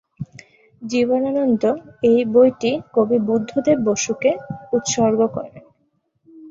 জীবনানন্দ এই বইটি কবি বুদ্ধদেব বসুকে উৎসর্গ করেন।